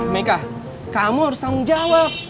mega kamu harus tanggung jawab